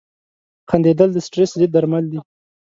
• خندېدل د سټرېس ضد درمل دي.